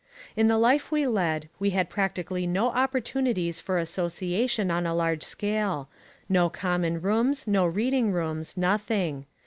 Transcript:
In the life we led we had practically no opportunities for association on a large scale, no common rooms, no reading rooms, nothing.